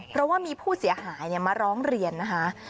เพราะว่ามีผู้เสียหายมาร้องเรียนนะคะ